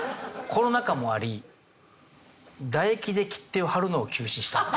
コロナ禍もあり唾液で切手を貼るのを休止した。